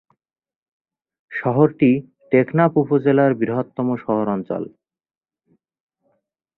শহরটি টেকনাফ উপজেলার বৃহত্তম শহরাঞ্চল।